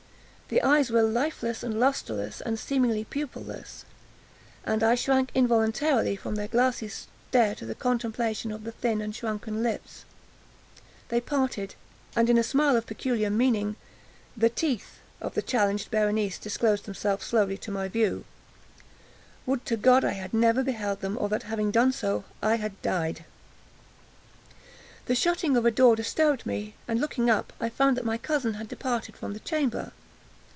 The eyes were lifeless, and lustreless, and seemingly pupilless, and I shrank involuntarily from their glassy stare to the contemplation of the thin and shrunken lips. They parted; and in a smile of peculiar meaning, the teeth of the changed Berenice disclosed themselves slowly to my view. Would to God that I had never beheld them, or that, having done so, I had died! The shutting of a door disturbed me, and, looking up, I found that my cousin had departed from the chamber.